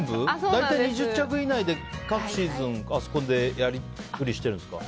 大体２０着以内で各シーズンあそこでやりくりしてるんですか。